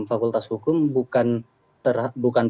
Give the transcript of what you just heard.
fakultas hukum bukan